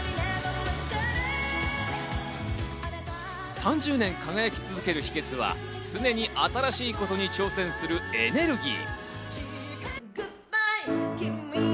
３０年輝き続ける秘訣は、常に新しいことに挑戦するエネルギー。